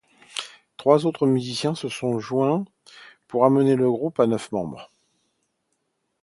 Trois autres musiciens se sont joints pour amener le groupe à neuf membres.